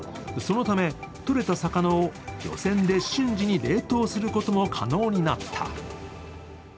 そのためとれた魚を漁船で瞬時に冷凍することも可能になった。